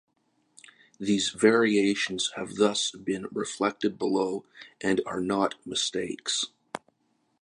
These variations have thus been reflected below, and are "not" mistakes.